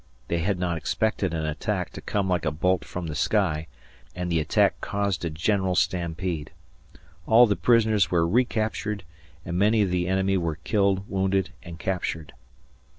They had not expected an enemy to come like a bolt from the sky, and the attack caused a general stampede. All the prisoners were recaptured, and many of the enemy were killed, wounded, and captured.